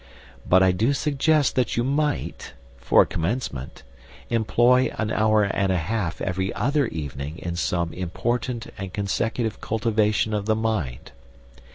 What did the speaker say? But I do suggest that you might, for a commencement, employ an hour and a half every other evening in some important and consecutive cultivation of the mind.